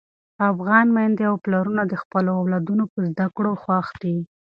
افغان میندې او پلرونه د خپلو اولادونو په زده کړو خوښ دي.